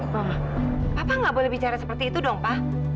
papa papa nggak boleh bicara seperti itu dong pak